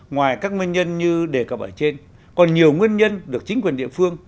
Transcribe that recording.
ngoài các nguyên nhân như đề cập ở trên còn nhiều nguyên nhân được chính quyền địa phương